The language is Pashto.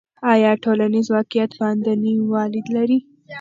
آیا ټولنیز واقعیت باندنی والی لري؟